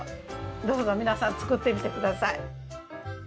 どうぞ皆さん作ってみてください。